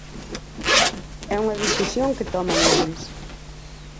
É unha decisión que toman eles.